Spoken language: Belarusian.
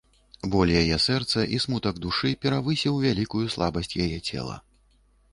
Боль яе сэрца і смутак душы перавысіў вялікую слабасць яе цела.